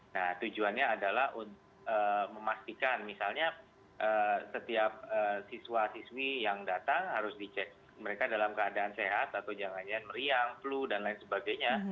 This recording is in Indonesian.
nah tujuannya adalah memastikan misalnya setiap siswa siswi yang datang harus dicek mereka dalam keadaan sehat atau jangan jangan meriang flu dan lain sebagainya